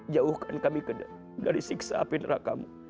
jauhkan kami dari siksa api nerakamu